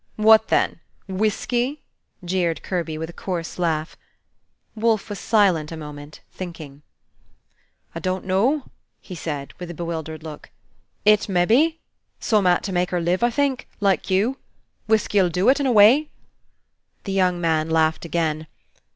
"What then? Whiskey?" jeered Kirby, with a coarse laugh. Wolfe was silent a moment, thinking. "I dunno," he said, with a bewildered look. "It mebbe. Summat to make her live, I think, like you. Whiskey ull do it, in a way." The young man laughed again.